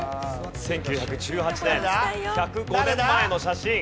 １９１８年１０５年前の写真。